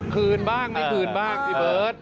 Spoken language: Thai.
คืนบ้างไม่คืนบ้างพี่เบิร์ต